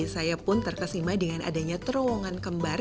saya pun terkesima dengan adanya terowongan kembar